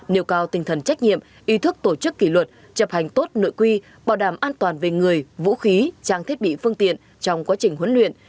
nêu cao tinh thần trách nhiệm ý thức tổ chức kỷ luật chập hành tốt nội quy bảo đảm an toàn về người vũ khí trang thiết bị phương tiện trong quá trình huấn luyện